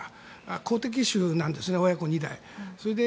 好敵手なんですね、親子２代。